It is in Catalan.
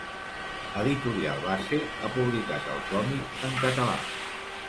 Editorial Base ha publicat el còmic en català.